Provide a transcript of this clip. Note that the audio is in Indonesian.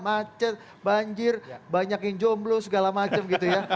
macet banjir banyak yang jomblo segala macam gitu ya